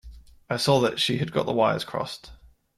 I saw that she had got the wires crossed.